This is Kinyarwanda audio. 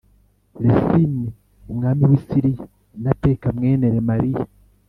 Resini umwami w i Siriya na Peka mwene Remaliya